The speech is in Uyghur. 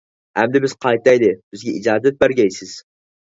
ئەمدى بىز قايتايلى، بىزگە ئىجازەت بەرگەيسىز؟!